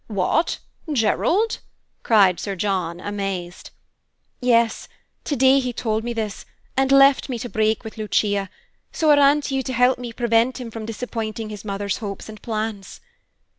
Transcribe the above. "What, Gerald?" cried Sir John, amazed. "Yes; today he told me this, and left me to break with Lucia; so I ran to you to help me prevent him from disappointing his mother's hopes and plans."